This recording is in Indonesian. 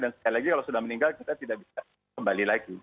dan sekali lagi kalau sudah meninggal kita tidak bisa kembali lagi